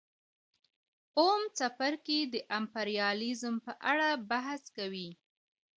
اووم څپرکی د امپریالیزم په اړه بحث کوي